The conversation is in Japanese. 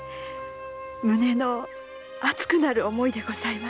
胸の熱くなる思いでございます。